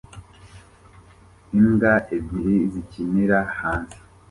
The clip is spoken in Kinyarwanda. Imbwa ebyiri zikinira hanze